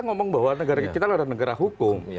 ngomong bahwa negara kita adalah negara hukum